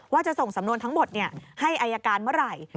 ว่าจะส่งสำนวนทั้งหมดให้อายการเมื่อไหร่